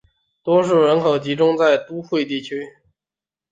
多数人口集中在都会地区。